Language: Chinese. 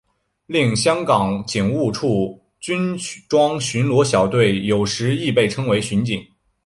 另香港警务处军装巡逻小队有时亦被称为巡警。